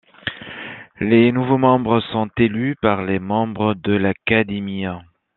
Les nouveaux membres sont élus par les membres de l'Académie.